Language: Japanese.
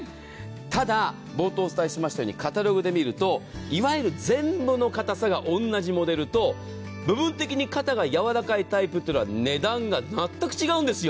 ただ、冒頭お伝えしましたようにカタログで見るといわゆる全部のかたさが同じモデルと、部分的に肩がやわらかいタイプというのは値段が全く違うんですよ。